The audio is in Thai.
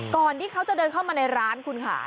ก่อนที่เขาจะเดินเข้ามาในร้านคุณค่ะ